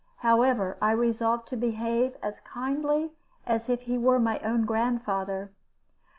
However, I resolved to behave as kindly as if he were his own grandfather.